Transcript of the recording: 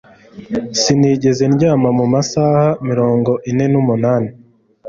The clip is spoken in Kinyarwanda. Sinigeze ndyama mu masaha mirongo ine n'umunani